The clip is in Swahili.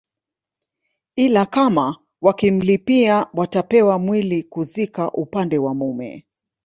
ila kama wakimlipia watapewa mwili kuzika upande wa mume